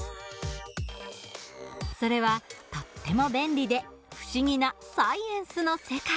それはとっても便利で不思議なサイエンスの世界。